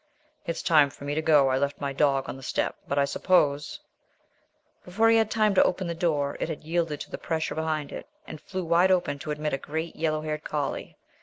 "It's time for me to go. I left my dog on the step, but I suppose " Before he had time to open the door, it had yielded to the pressure behind it and flew wide open to admit a great yellow haired collie.